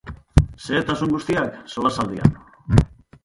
Xehetasun guztiak, solasaldian.